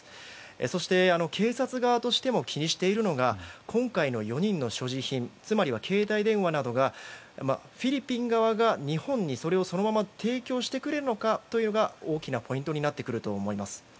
そして警察側としても気にしているのが今回の４人の所持品つまりは携帯電話などがフィリピン側が日本にそのまま提供してくれるのかというのが大きなポイントになると思います。